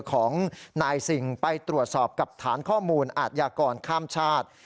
ของนายสิ่งไปตรวจสอบกับฐานข้อมูลอาทยากรข้ามชาติ